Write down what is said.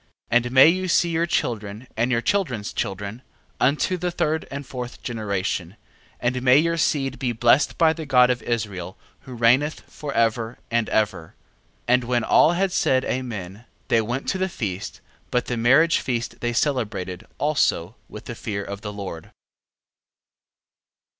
9:11. And may you see your children, and your children's children, unto the third and fourth generation: and may your seed be blessed by the God of Israel, who reigneth for ever and ever. 9:12. And when all had said, Amen, they went to the feast: but the marriage feast they celebrated also with the fear of the Lord.